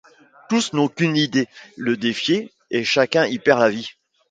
Tous n'ont qu'une idée, le défier et chacun y perd la vie.